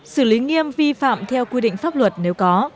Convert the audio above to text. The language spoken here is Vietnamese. xử lý nghiêm vi phạm theo quy định pháp luật nếu có